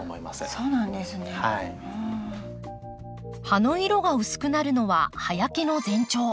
葉の色が薄くなるのは葉焼けの前兆。